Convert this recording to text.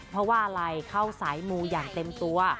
เพราะว่าอะไรเข้าสายมูอย่างเต็มตัว